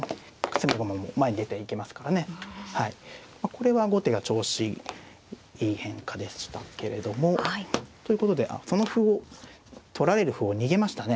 これは後手が調子いい変化でしたけれども。ということでその歩を取られる歩を逃げましたね